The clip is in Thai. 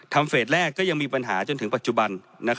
เฟสแรกก็ยังมีปัญหาจนถึงปัจจุบัน